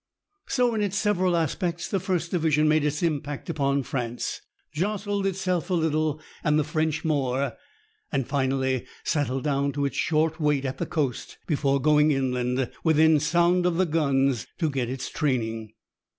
So, in its several aspects, the First Division made its impact upon France, jostled itself a little and the French more, and finally settled down to its short wait at the coast before going inland, "within sound of the guns," to get its training.